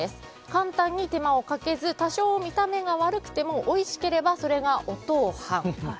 「簡単に、手間を掛けず、多少見た目が悪くても美味しければ、それが“おとう飯”」。